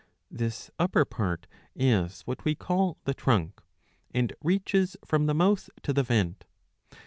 ^ This upper part is what we call the trunk, and reaches, from the mouth to the vent.